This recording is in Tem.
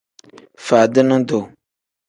Faadini duu.